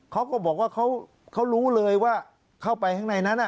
เขาก็บอกว่าเขารู้เลยว่าเข้าไปข้างในนั้น